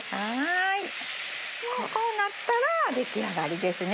こうなったら出来上がりですね。